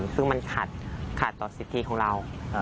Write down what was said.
ซึ่งมันขาดต่อสิทธิของเรา